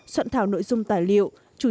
soạn thảo nội dung tài liệu